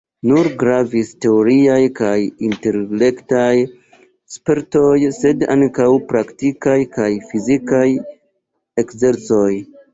Ne nur gravis teoriaj kaj intelektaj spertoj sed ankaŭ praktikaj kaj fizikaj ekzercoj.